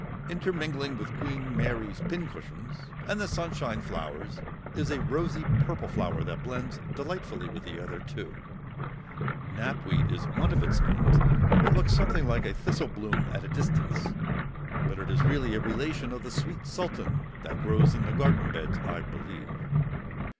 Intermingling with Queen Mary's Pincushions and the Sunshine flowers is a rosy purple flower that blends delightfully with the other two; Knapweed is one of its names; it looks something like a thistle bloom at a distance, but it is really a relation of the Sweet Sultan that grows in the garden beds, I believe.